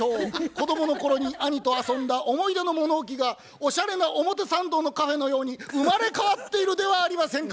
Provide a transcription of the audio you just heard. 子供の頃に兄と遊んだ思い出の物置がおしゃれな表参道のカフェのように生まれ変わっているではありませんか。